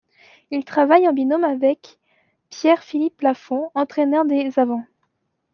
Il travaille en binôme avec Pierre-Philippe Lafond, entraîneur des avants.